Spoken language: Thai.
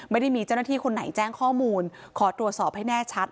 ไม่ได้มีเจ้าหน้าที่คนไหนแจ้งข้อมูลขอตรวจสอบให้แน่ชัด